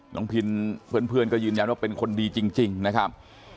พินเพื่อนก็ยืนยันว่าเป็นคนดีจริงนะครับ